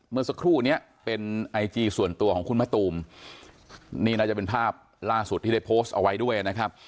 เมื่อสักครู่นี้เป็นไอจีส่วนตัวของคุณมะตูมนี่น่าจะเป็นภาพล่าสุดที่ได้โพสต์เอาไว้ด้วยนะครับ